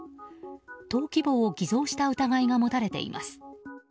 登記簿を偽造した疑いが持たれています。